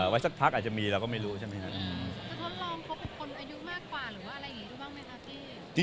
ไว้สักพักอาจจะมีเราก็ไม่รู้ใช่ไหมครับ